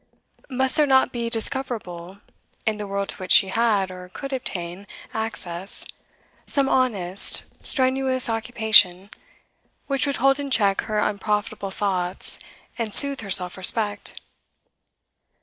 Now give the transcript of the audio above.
Must there not be discoverable, in the world to which she had, or could obtain, access, some honest, strenuous occupation, which would hold in check her unprofitable thoughts and soothe her self respect?